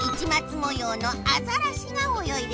もようのアザラシがおよいできたぞ。